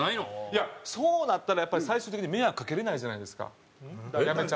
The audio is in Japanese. いやそうなったらやっぱり最終的に迷惑かけられないじゃないですか辞めちゃうと。